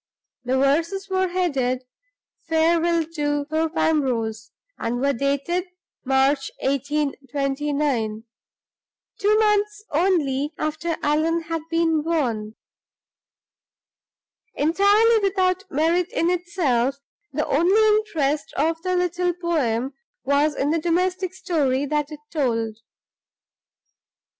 The verses were headed "Farewell to Thorpe Ambrose," and were dated "March, 1829" two months only after Allan had been born. Entirely without merit in itself, the only interest of the little poem was in the domestic story that it told.